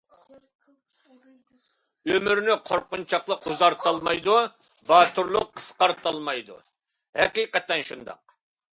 ئۆمۈرنى قورقۇنچاقلىق ئۇزارتالمايدۇ، باتۇرلۇق قىسقارتالمايدۇ، ھەقىقەتەن شۇنداق.